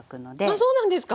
あっそうなんですか！